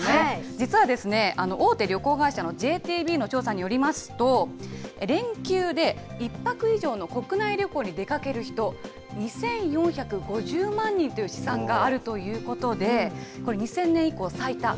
実は、大手旅行会社のＪＴＢの調査によりますと、連休で１泊以上の国内旅行に出かける人、２４５０万人という試算があるということで、これ、２０００年以降最多。